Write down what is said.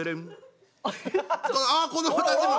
ああ子どもたちも！